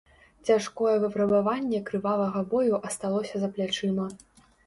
Цяжкое выпрабаванне крывавага бою асталося за плячыма.